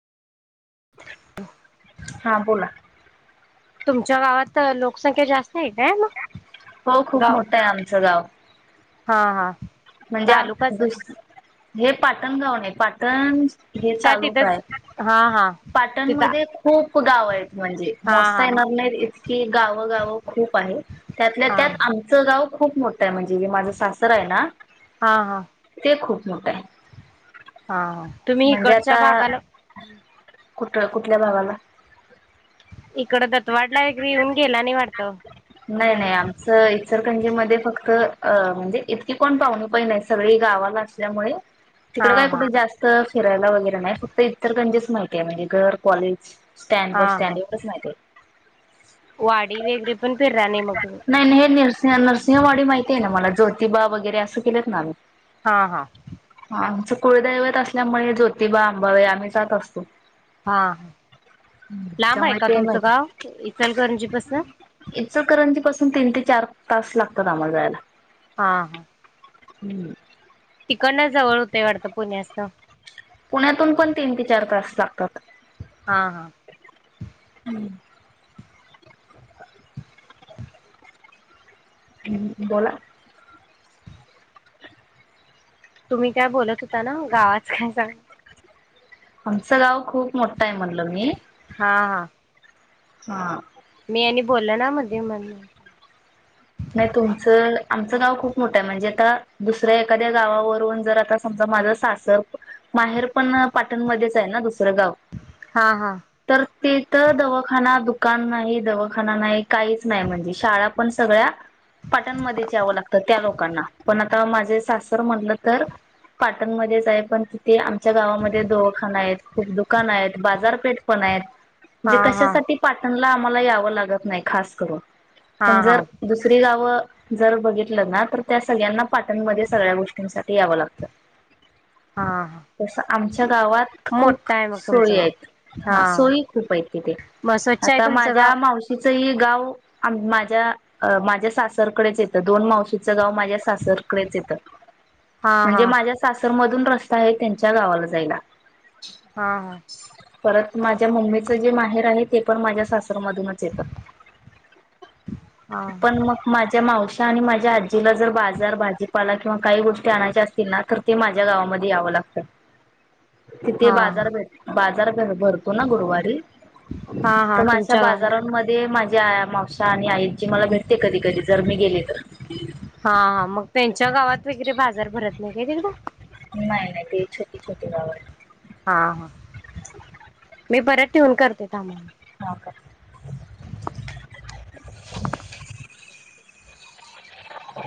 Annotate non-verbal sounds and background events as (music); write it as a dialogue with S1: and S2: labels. S1: हा, बोला.
S2: तुमच्या गावात, लोकसंख्या जास्त आहे काय मग?
S1: हो खूप
S2: गाव
S1: मोठं आहे आमचं गाव
S2: हा हा
S1: म्हणजे
S2: तालुकाच आहे
S1: दुस हे पाटणगावणे पाटण हे
S2: अच्छा
S1: तालुका
S2: तिथंच
S1: आहे
S2: हा हा तिथं
S1: पाटणमध्येध्ये खूप गाव आहे म्हणजे
S2: हा
S1: मोस्ता
S2: हा
S1: येणार नाहीत इतकी गावं गावं खूप आहे त्यातल्या
S2: हा
S1: त्यात आमचं गाव खूप मोठं आहे म्हणजे माझं सासर आहे ना
S2: हा हा
S1: मोठय
S2: हा तुम्ही इकडच्या भागाला
S1: कुठ कुठल्या भावाला
S2: इकडं दतवाडला वग येऊन गेला आणि वाटत
S1: नाही नाही आमचं इचरकंजी मध्ये फक्त म्हणजे इतकी कोण पाहुणी पहि नाही सगळी गावाला असल्यामुळे
S2: हा
S1: तिकड काय
S2: हा
S1: कुठे जास्त फिरायला वगैरे नाही फक्त इतर त्यांणच माहिती आहे म्हणजे गर कॉलेज स्टँड
S2: हा
S1: बस
S2: हा
S1: स्टँड एवढच मा
S2: वाडी वगैरे पण फिरला नाही मग
S1: नाही
S2: तुम्ही
S1: नाही हे नसिंह नरसिंहवाडी माहिती आहे ना मला ज्योती प्रतिबा वगैरे असं केलेत ना आम्ही
S2: हा हा
S1: आमचं कुळदैवत असल्यामुळे ज्योतिबा आंबावे आम्ही जात असतो.
S2: हा हा लांब आहे
S1: त्यामुळे
S2: का
S1: ते
S2: तुमचं
S1: माहिती
S2: गाव इचलकरंजीपसन
S1: इचकरंजीपासून तीन ते चार तास लागतात आम्हाला जायला.
S2: हा हा
S1: हम्म
S2: तिकड ना जवळ होतेय वाटतं पुण्यास
S1: पुण्यातून पण तीन ते चार तास लागतात.
S2: हा हा
S1: हम्म बोला
S2: तुम्ही काय बोलत होता ना गावात काय सांग.
S1: आमचं गाव खूप मोठं आहे म्हटलं मी
S2: हा हा
S1: हम
S2: मी आणि बोलल ना मध्ये म्हण.
S1: नाही तुमचं आमचं गाव खूप मोठं आहे म्हणजे आता दुसऱ्या एखाद्या गावावरून जर आता समजा माझं सासं माहेर पण पाटणमध्येच आहे ना दुसर
S2: हा हा
S1: तर तिथ दवाखाना दु दुकान नाही, दवाखाना नाही, काहीच नाही म्हणजे शाळा पण पाटणमध्ये यावं लागतं त्या लोकांना पण आता माझे सासर म्हटलं तर पाटणमध्येच आहे पण तिथे आमच्या गावामध्ये दवाखाना आहेत खूप दुकानं, आहेत बाजारपेठ पण आहेत.
S2: हा
S1: म्हणजे
S2: हा
S1: कशासाठी पाटीलला मला यावं लागत नाही खास करून
S2: हा हा
S1: गाव जर बघितलं ना त्या सर्वाना पाटणमध्ये सगळ्या गोष्टींसाठी ते यावं लागतं
S2: हा हा
S1: तस आमच्या गावात खूप
S2: मोठा आहे मग
S1: सोयी
S2: तुमचं गाव.
S1: आहेत, हा सोयी खूप आहेत तिथे
S2: मग स्वच्छ आहे
S1: आता
S2: तुमचं गाव
S1: माझ्या मावशी य गाव माझ्या अ माझ्या सासरकडेच येतं दोन मावशीचं गाव माझ्या सासरकडेच येतं
S2: हा
S1: म्हणजे
S2: हा
S1: माझ्या सासरमधून र स्ता त्यांच्या गावाला जायला
S2: हा हा
S1: परत माझ्या मम्मीचं े माहेर आहे ते पण माझ्या सासर मधूनच येतं
S2: हा
S1: पण मग माझ्या मावशी आणि माझ्या आजीला जर बाजार भाजीपाला किंवा काही गोष्टी आणायच्या असतील ना तर ते माझ्या गावामध्ये यावं लागतं. तिथे
S2: हा हा
S1: बाजार भेट बाजा जर भरतो ना गुरुवारी,
S2: हा हा
S1: तर म अशा
S2: तुमच्या गावात
S1: बाजारांमध्ये माझा (unintelligible) मावशा आणि आई
S2: हा हा, मग त्यांच्या गावात वगैरे बाजार भरत नाही काय तिकडं?
S1: नाही नाही ते छोटी छोटी गावं हायत.
S2: हा हा, मी परत ठेवून करते थांबा.
S1: हा करा. (inaudible)